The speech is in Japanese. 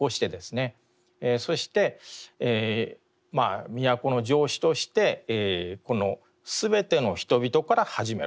そして都城市としてこの「すべての人々」から始める。